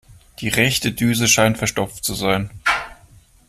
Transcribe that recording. Die rechte Düse scheint verstopft zu sein.